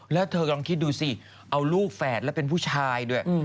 แล้วเธอลองคิดดูสิเอาลูกแฝดแล้วเป็นผู้ชายด้วย